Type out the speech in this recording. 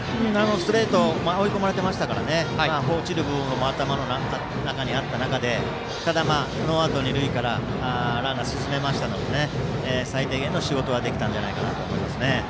ストレート追い込まれていましたから落ちるボールも頭の中にはありましたがただ、ノーアウト二塁からランナーが進めましたので最低限の仕事はできたと思います。